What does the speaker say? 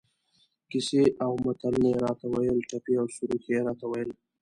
کیسې او متلونه یې را ته ویل، ټپې او سروکي یې را ته ویل.